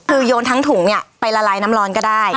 คือโยนทั้งถุงเนี่ยไปละลายน้ำร้อนก็ได้